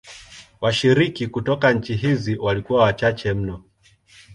Washiriki kutoka nchi hizi walikuwa wachache mno.